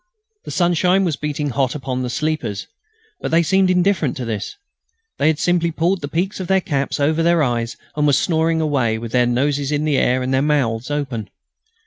The sunshine was beating hot upon the sleepers, but they seemed indifferent to this. They had simply pulled the peaks of their caps over their eyes and were snoring away, with their noses in the air and their mouths open.